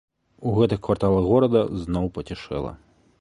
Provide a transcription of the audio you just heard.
У гэтых кварталах горада зноў пацішэла.